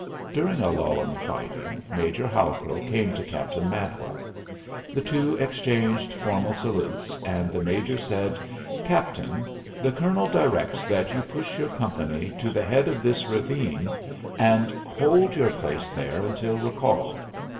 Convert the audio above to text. During a lull in the fighting, Major Halcrow came to Captain Madwell. The two exchanged formal salutes, and the major said: "Captain, the colonel directs that you push your company to the head of this ravine and hold your place there until recalled.